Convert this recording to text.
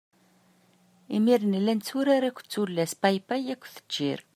Imir-n nella netturar akked tullas paypay akked ččir.